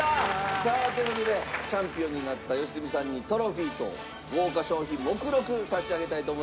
さあという事でチャンピオンになった良純さんにトロフィーと豪華賞品目録差し上げたいと思います。